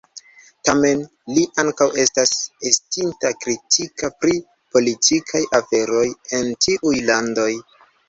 Tamen li ankaŭ estas estinta kritika pri politikaj aferoj en tiuj landoj.